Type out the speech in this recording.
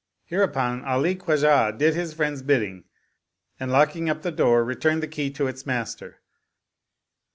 Hereupon Ali Khwajah did his friend's bidding and locking up the door returned the key to its master.